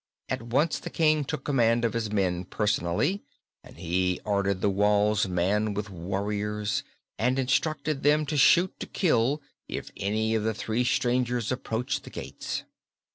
At once the King took command of his men personally, and he ordered the walls manned with warriors and instructed them to shoot to kill if any of the three strangers approached the gates.